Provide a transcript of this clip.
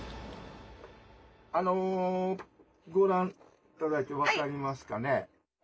あのご覧いただいて分かりますかね？